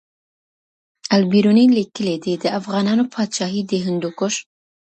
البیرونی لیکلی دی د افغانانو پادشاهی د هندوکش